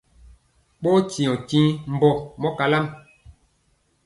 Ɓɔɔ nkye njiŋ mbɔ mɔ kalam.